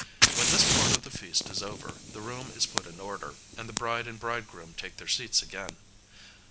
When this part of the feast is over, the room is put in order, and the bride and bridegroom take their seats again.